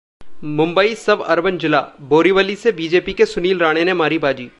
मुंबई सब अरबन जिलाः बोरिवली से बीजेपी के सुनील राणे ने मारी बाजी